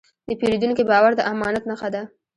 د پیرودونکي باور د امانت نښه ده.